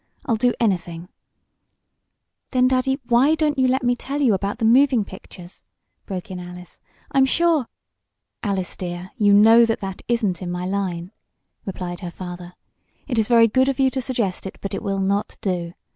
I'll do anything " "Then, Daddy, why don't you let me tell about the moving pictures?" broke in Alice. "I'm sure " "Alice, dear, you know that isn't in my line," replied her father. "It is very good of you to suggest it; but it will not do.